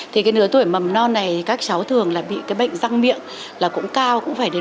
thì cái nửa tuổi mầm non này các cháu thường bị bệnh răng miệng là cũng cao cũng phải đến bốn năm mươi